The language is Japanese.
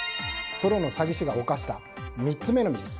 プロの詐欺師が犯した３つ目のミス。